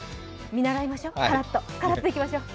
見習いましょう、カラッといきましょう。